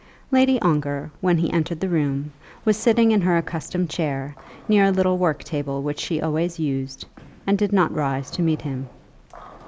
] Lady Ongar, when he entered the room, was sitting in her accustomed chair, near a little work table which she always used, and did not rise to meet him.